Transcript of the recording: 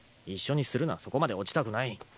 一緒にするなそこまで落ちたくない。